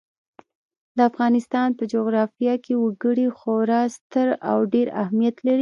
د افغانستان په جغرافیه کې وګړي خورا ستر او ډېر اهمیت لري.